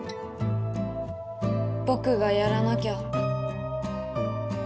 ぼくがやらなきゃ。